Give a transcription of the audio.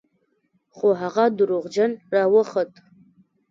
خو هغه دروغجن راوخوت.